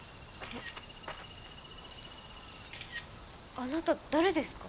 あなた誰ですか？